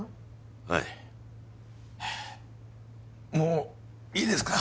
はいもういいですか？